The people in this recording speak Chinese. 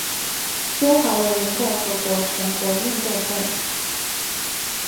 中华人民共和国全国运动会。